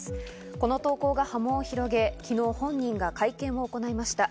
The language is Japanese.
この投稿が波紋を広げ、昨日本人が会見を行いました。